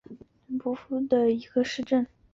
韦斯滕多尔夫是德国巴伐利亚州的一个市镇。